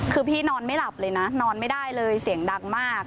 คือพี่นอนไม่หลับเลยนะนอนไม่ได้เลยเสียงดังมาก